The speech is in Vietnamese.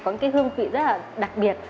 có những cái hương vị rất là đặc biệt